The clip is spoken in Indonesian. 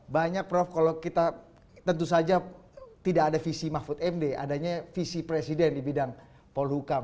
banyak prof kalau kita tentu saja tidak ada visi mahfud md adanya visi presiden di bidang polhukam